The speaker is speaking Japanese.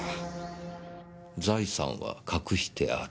「財産は隠してある」。